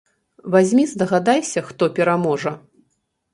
Вазьмі здагадайся, хто пераможа?